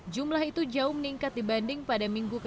jumlah itu jauh meningkat dibanding pada minggu ke tiga puluh delapan